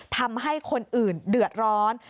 ทำให้คนอื่นเดือดร้อน